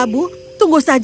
aku tidak tahu